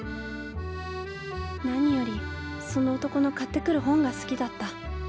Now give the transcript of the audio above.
何よりその男の買ってくる本が好きだった。